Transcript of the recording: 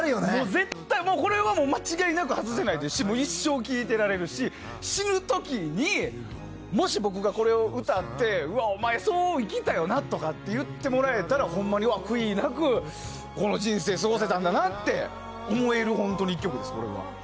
絶対にこれはもう間違いなく外せないですし一生聴いていられるし死ぬ時に、もし僕がこれを歌ってお前、そう生きたよなとかって言ってもらえたらほんまに悔いなくこの人生過ごせたんだなと思える１曲です。